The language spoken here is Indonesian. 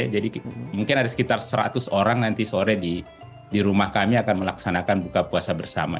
jadi mungkin ada sekitar seratus orang nanti sore di rumah kami akan melaksanakan buka puasa bersama